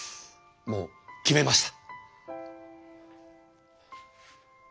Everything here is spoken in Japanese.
もう決めました。